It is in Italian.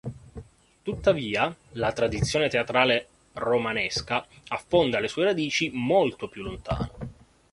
Tuttavia la tradizione teatrale romanesca affonda le sue radici molto più lontano.